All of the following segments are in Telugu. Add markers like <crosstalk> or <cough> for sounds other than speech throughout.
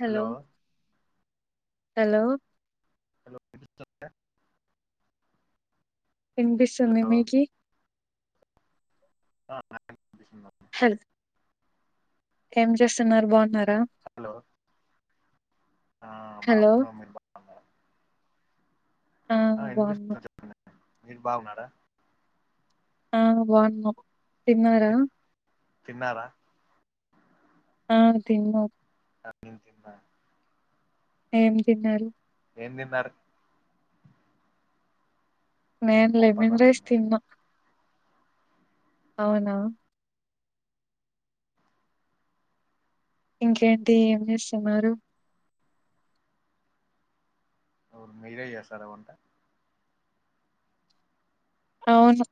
హలో హలో హలో వినిపిస్తుందా వినిపిస్తుంది హలో మీకి ఆ ఆ <unintelligible> హెల్త్ ఏం చేస్తున్నారు బాగున్నారా హలో ఆ హలో బాగున్నాం మీరు బాగున్నారా ఆ వినిపిస్తుందా చెప్పండి మీరు బాగున్నారా ఆ బావున్న తిన్నారా తిన్నారా ఆ తిన్న నేను తిన్నా ఏం తిన్నారు ఏం తిన్నారు నేను నేన్ లెమన్ పప్పన్నం రైస్ తిన్నా తిన్న అవునా ఇంకేంటి ఏం చేస్తున్నారు అవును మీరె చేస్తారా వంట అవును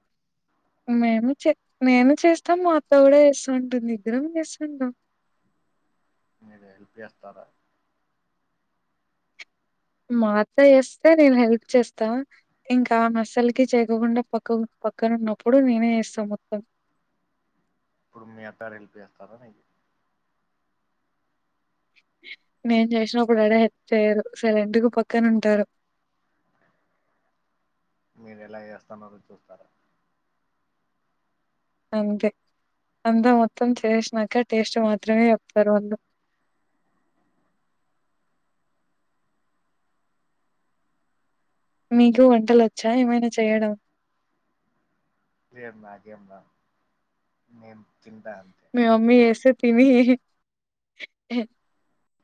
మేము చే నేను చేస్తాం మా అత్త కూడా చేస్తా ఉంటుంది ఇద్దరం చేస్తువుంటాం మీరు హెల్ప్ చేస్తారా మా అత్త చేస్తే నేను హెల్ప్ చేస్తా ఇంకా ఆమె అసలికి చేయకుండా పక్క పక్కనన్నప్పుడు నేనే చేస్తా మొత్తం ఇప్పుడు మీ అత్తరూ హెల్ప్ చేస్తారా నీకు నేను చేసినప్పుడు యాడ హెల్ప్ చేయ్యరు సైలెంట్గా పక్కన ఉంటారు మీరు ఎలా చేస్తున్నారో చూస్తారా అంతే అంతా మొత్తం చేసినాక టేస్ట్ మాత్రమే చెప్తారు వాళ్ళు మీకు వంటలు వచ్చా ఏమైనా చేయడం ఏం నాకేం రాద్ నేను తింటా అంతే మీ మమ్మీ చేస్తే తిని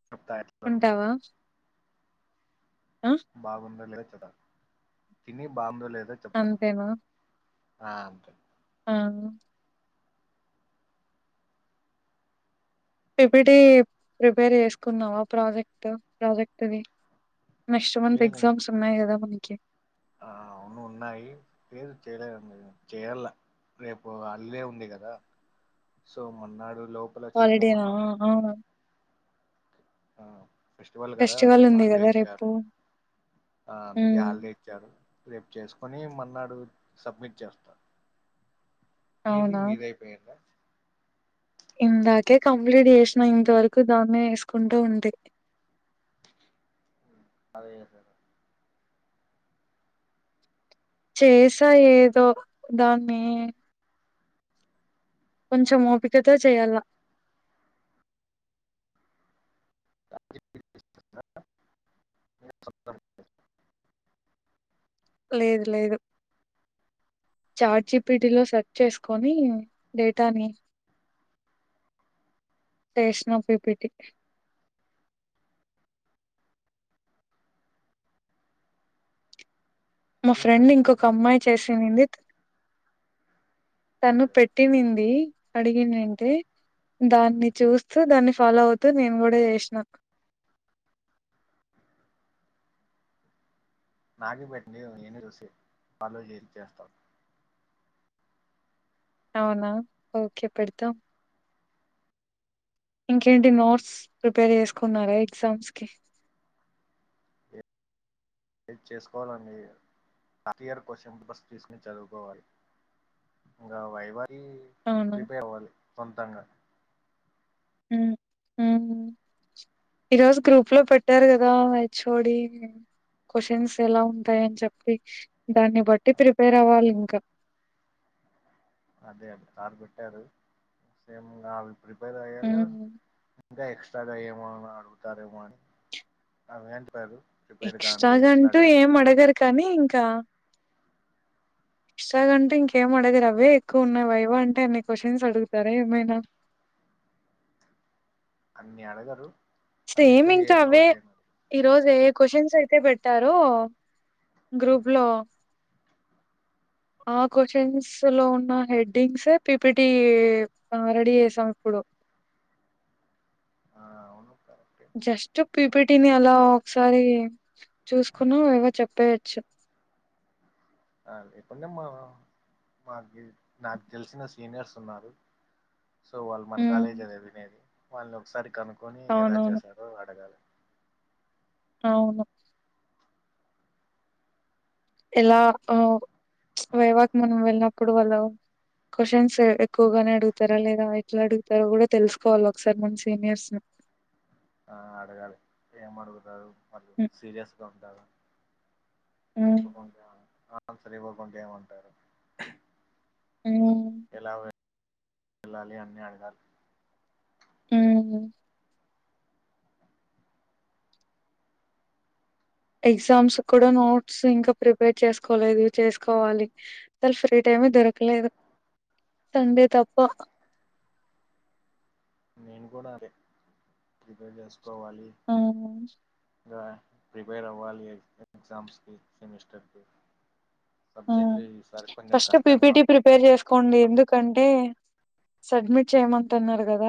తప్తయింద ఉంటావా ఆ బాగుందో లేదో చె ప్తా తిని బాగుందో లేదో చెప్తాను అంతేనా ఆ అంతే ఆ పిపిటి ప్రిపేర్ చేసుకున్నావా ప్రాజెక్ట్ ప్రాజెక్ట్డి నెక్స్ట్ మంత్ లేదు ఎగ్జామ్స్ ఉన్నాయి కదా మన ఓకే ఆ అవును ఉన్నాయి లేదు చెయ్యలే చెయ్యల్ల రేపు హాలిడే ఉంది కదా సో మన్నాడు హాలిడేనా ఆ ఫెస్టివల్ కదా రేపు ఉంది హాలిడే కదా రేపు ఇచ్చారు ఆ అందుకే హ్మ్ హాలిడే ఇచ్చారు రేపు చేసుకొని మన్నాడు సబ్మిట్ చేస్తాడు మీది అవునా మీది అయిపోయింద ఇందాకే కంప్లీట్ చేసినా ఇంతవరకు దాన్నే చేసుకుంటా ఉంటి అదే చేస్తాంటివ చేసా ఏదో దాన్ని కొంచెం ఓపికతో చెయ్యాళ్ళ లేదు లేదు చాట్ జీపిటి లో సెర్చ్ చేసుకొని డేటాని చేసిన పిపిటి మా ఏం ఫ్రెండ్ ఇంకొక అమ్మాయి చేసిన్నింది తను ఓకే పెట్టినింది అడిగింది ఏంటే దాన్ని చూస్తూ దాన్ని ఫాలో అవుతూ నేను కూడా చేసినా నాకి పెట్టింటే కదా నేను చూసి ఫాలో చేసి చేస్తా అవునా ఓకే పెడతాం ఇంకేంటి నోట్స్ ప్రిపేర్ చేసుకున్నారా ఎగ్జామ్స్ కి లేదు చేసుకోవాలండి లాస్ట్ ఇయర్ క్వషన్ పేపర్స్ తీసుకుని చదువుకోవాలి ఇంకా వైవా కి అవునా ప్రిపేర్ అవ్వాలి సొంతంగా ఉమ్ ఉమ్ ఈరోజు గ్రూప్ లో పెట్టారు కదా హెచ్ఓడి క్వషన్స్ ఎలా ఉంటాయని చెప్పి దాన్ని బట్టి ప్రిపేర్ అవ్వాలి ఇంకా అదే అదే కారు పెట్టారు సేమ్ ఇంగ ప్రిపేర్ అయ్యలో ఉమ్ ఇంకా ఎక్స్ట్రాగా అయి ఏమో అడుగుతారేమో అని అవని పేరు ఎక్స్ట్రాగాంటూ ఏం అడగరు కానీ ఇంకా ఎక్స్ట్రా కంటే ఇంకేం అడగరా అవే ఎక్కువ ఉన్నాయి వైవా అంటే ఎన్ని క్వశ్చన్స్ అడుగుతారా ఏమైనా అన్ని ఆడగారు సేమ్ ఇంకా అవే ఈరోజు ఏ క్వశచన్స్ అయితే పెట్టారు గ్రూప్ లో ఆ క్వశ్చన్ లో ఉన్న హెడ్డింగ్స్ పిపిటి రెడీ చేసాం ఇప్పుడు ఆ అవును కరెక్టే జస్ట్ పీపీటీ నీ అలా ఒకసారి చూసుకున్నా అవే చెప్పేయచ్చు ఎప్పుడుే మా మాకు నాకు తెలిసిన సీనియర్స్ ఉన్నారు సో వాళ్ళు మన ఉమ్ కాలేజ అది వినేది వాళ్ళని ఒకసారి కనుక్కొని ఎలా అవునవును చేశాడో అడగాలి అవును ఆ ఎలా ఆ వైవాక్ మనం వెళ్ళినప్పుడు వాళ్ళ క్వ్చన్స్ ఎక్కువగానే అడుగుతారా లేదా ఎట్లా అడుగుతారో కూడా తెలుసుకోవాలి ఒకసారి మన సీనియర్స్ ని ఆ అడేగాలి ఏం అడుగుతారు వాళ్ళు సీరియస్గా ఉంటారా హ్మ్ చెప్పంట ఆన్సర్ ఇవ్వకుంటే ఏమంటారు ఎలా హమ్ వెళ్ళాలి అన్నీ అడగాలి హమ్ ఎగ్జామ్స్ కూడా నోట్స్ ఇంకా ప్రిపేర్ చేసుకోలేదు చేసుకోవాలి అసలు ఫ్రీ టైమే దొరకలేదు సండే తప్ప నేను కూడా అదే ప్రిపేర్ చేస్త కోవాలి హ్మ్ ప్రిపేర్ అవ్వాలి ఎగ్జమ్స్కి సెమస్టర్కి హ్మ్ సబ్జెక్ట్లు ఈ సారి కొంచెం కష్టంగా కొండి ఎందుకంటే సబ్మిట్ చెయ్యమంటనరు కదా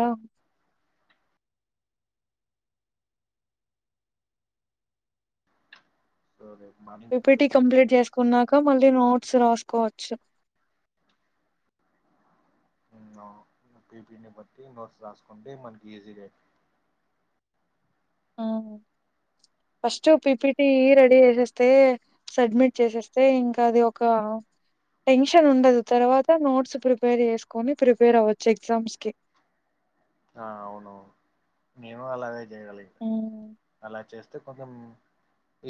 సో రేపు మార్నింగ్ పీపీటి కూర్చొని కంప్లీట్ చేసుకున్నాక మళ్ళీ నోట్స్ రాసుకోవచ్చు అవును పీపీనటీ బట్టి నోట్స్ రాసుకుంటే మనకి ఈజీగా హమ్ ఫస్ట్ పిపిటి రెడీ చేసేస్తే సబ్మిట్ చేసేస్తే ఇంకా అది ఒక టెన్షన్ ఉండదు తర్వాత నోట్స్ ప్రిపేర్ చేసుకొని ప్రిపేర్ అవ్వచ్చు ఎగ్జామ్స్ కి ఆ అవునవును నేను అలాగే చెయ్యాలి హ్మ్ అలా చేస్తే అంటే కొంచం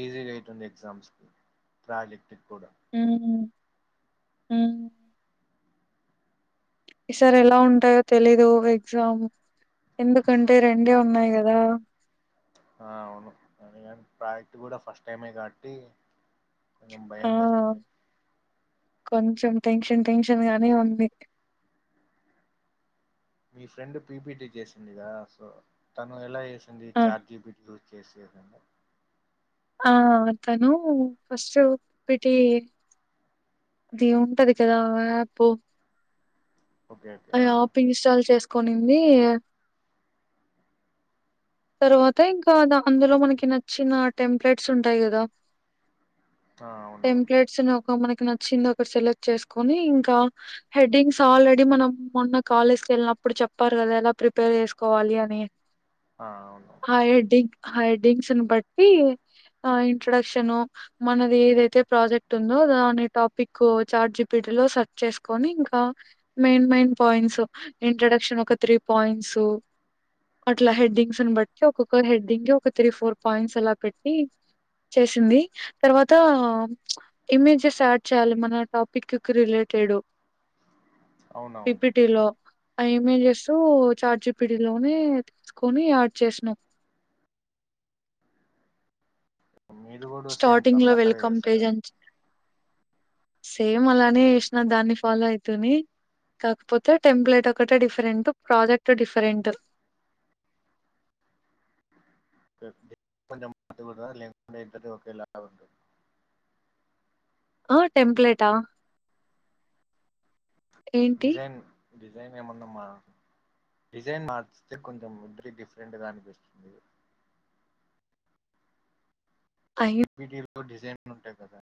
ఈజీ అవుతుంది ఎగ్జామ్స్కి ప్రాజెక్ట్ కూడా ఉహూ ఉమ్ ఈ సార్ ఎలా ఉంటాయో తెలీదు ఎగ్జామ్ ఎందుకంటే రెండే ఉన్నాయి కదా ఆ అవును కాని ప్రాజెక్ట్ కూడా ఫస్ట్ టైమే కాబట్టి కొంచెం ఆ భయం వేస్తుంది కొంచెం టెన్షన్ టెన్షన్ గానే ఉంది మీ ఫ్రెండ్ పీపిటీ చేసిందిగా సో తను ఎలా చేసి ఆ చాట్ జీపిటి యూజ్ చేసేది ఆ తను ఫస్ట్ పీపీటి అది ఉంటది కదా యాప్ ఓకే ఓకే అ ఆ యాప్ ఇన్స్టాల్ చేసు కొనింది తర్వాత ఇంకా అందులో మనకి నచ్చిన టెంప్లెట్స్ ఉంటాయి కదా ఆ అవునవును టెంప్లెట్స్ ఒక నచ్చింది ఒకటి సెలెక్ట్ చేసుకొని ఇంకా హెడ్డింగ్స్ ఆల్రెడీ మనం మొన్న కాలేజ్కి వెళ్ళినప్పుడు చెప్పారు కదా ఎలా ప్రిపేర్ చేసుకోవాలి అని ఆ అవును హా ఏంటి హెడ్డింగ్స్ ని బట్టి ఇంట్రడక్షన్ మనది ఏదైతే ప్రాజెక్ట్ ఉందో దాని టాపిక్ చార్ట్ జిపిటీ లో సెర్చ్ చేసుకొని ఇంకా మెయిన్ మెయిన్ పాయింట్స్ ఇంట్రొడక్షన్ ఒక త్రీ పాయింట్స్ అట్లా హెడ్డింగ్స్ బట్టి ఒక్కొక్క హెడ్డింగ్ ఒక త్రీ ఫోర్ పాయింట్స్ అలా పెట్టి చేసింది తర్వాత ఇమేజెస్ యాడ్ చేయాలి మన టాపిక్ కి రిలేటెడ్ అవునవును పీపీటిలో అ ఇమెయిల్ చేస్తూ చార్జిపిడిలోనే తీసుకొని ఆ చేసినం మీది కూడా సేమ్ స్టార్టింగ్ లో తనలాగే వెల్కమ్ చేస్తారా పేజ్ అంత సేమ్ అలానే చేసిన దాన్ని ఫాలో అయితుని కాకపోతే టెంప్లట్ ఒకటే డిఫరెంట్ ప్రాజెక్ట్ డిఫరెంట్ కొంచెం లేదా ఇద్దరిదీ ఒకేలా ఉంటుందా హా టెంప్లేట్ ఆ ఏంటి డిజైన్ డిజైన్ ఏమన్నా మా డిజైన్ మారుస్తే కొంచెం ఇద్దరి డిఫరెంట్ గా అనిపిస్తుంది అయి పిపిటి ఎక్కువ డిజైన్లు ఉంటాయి గదా